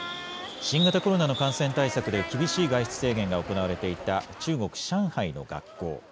新型コロナの感染対策で厳しい外出制限が行われていた、中国・上海の学校。